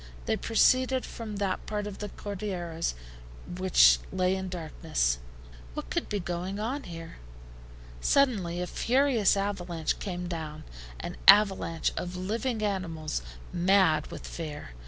They proceeded from that part of the Cordilleras which lay in darkness. What could be going on there? Suddenly a furious avalanche came down, an avalanche of living animals mad with fear.